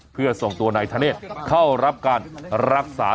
เพื่อส่งตัวนายธเนธเข้ารับการรักษา